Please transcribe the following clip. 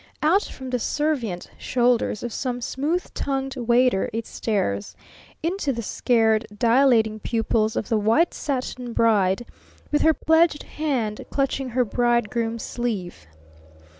Out from the servient shoulders of some smooth tongued Waiter it stares, into the scared dilating pupils of the White Satin Bride with her pledged hand clutching her Bridegroom's sleeve.